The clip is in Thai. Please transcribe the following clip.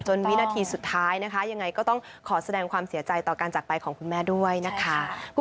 วินาทีสุดท้ายนะคะยังไงก็ต้องขอแสดงความเสียใจต่อการจากไปของคุณแม่ด้วยนะคะ